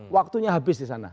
waktunya habis di sana